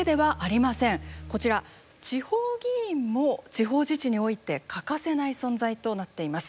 こちら地方議員も地方自治において欠かせない存在となっています。